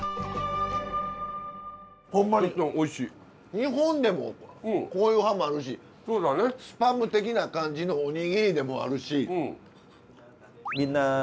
日本でもこういうハムあるしスパム的な感じのお握りでもあるし。